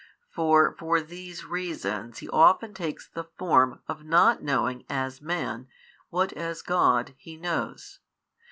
For for these reasons He often takes the form of not knowing as Man what as God He knows.